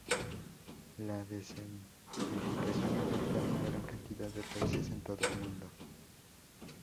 La desertificación afecta a una gran cantidad de países en todo el mundo.